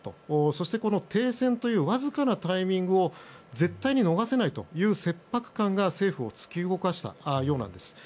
そして停戦というわずかなタイミングを絶対に逃せないという切迫感が政府を突き動かしたようなんです。